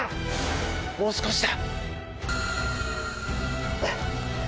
もう少しだ！